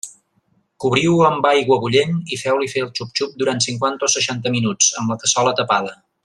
Cobriu-ho amb aigua bullent i feu-li fer el xup-xup durant cinquanta o seixanta minuts, amb la cassola tapada.